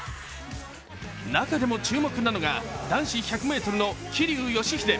中でも注目なのが男子１００ｍの桐生祥秀。